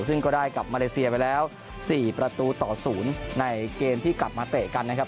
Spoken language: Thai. ซึ่งก็ได้กับมาเลเซียไปแล้ว๔ประตูต่อ๐ในเกมที่กลับมาเตะกันนะครับ